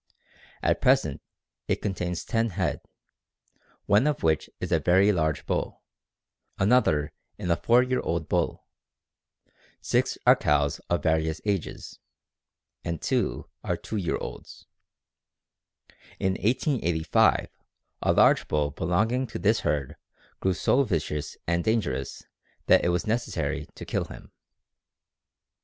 At present it contains ten head, one of which is a very large bull, another in a four year old bull, six are cows of various ages, and two are two year olds. In 1885 a large bull belonging to this herd grew so vicious and dangerous that it was necessary to kill him.